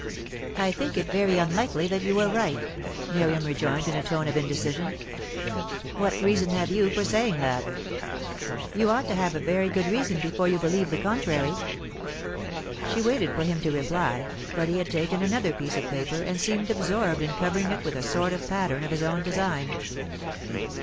"I think it very unlikely that you were right," Miriam rejoined in a tone of indecision. "What reason have you for saying that?" "You ought to have a very good reason before you believe the contrary." She waited for him to reply, but he had taken another piece of paper, and seemed absorbed in covering it with a sort of pattern of his own design.